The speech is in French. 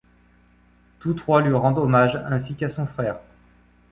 Tous trois lui rendent hommage ainsi qu'à son frère.